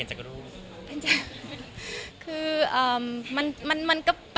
เห็นจากรูป